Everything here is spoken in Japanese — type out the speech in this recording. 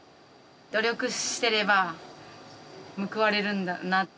努力してれば報われるんだな。